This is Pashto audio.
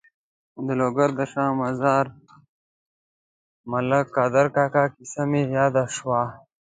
د لوګر د شا مزار ملک قادر کاکا کیسه مې یاده شوه.